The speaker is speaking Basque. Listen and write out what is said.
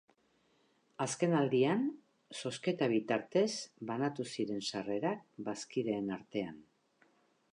Azken aldian, zozketa bitartez banatu ziren sarrerak bazkideen artean.